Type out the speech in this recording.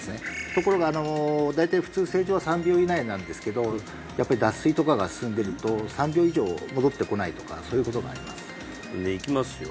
ところが大体普通正常は３秒以内なんですけどやっぱり脱水とかが進んでると３秒以上戻ってこないとかそういうことがありますじゃあいきますよ